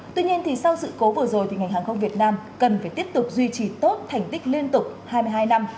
tuy nhiên sau sự cố vừa rồi ngành hàng không việt nam cần phải tiếp tục duy trì tốt thành tích liên tục hai mươi hai năm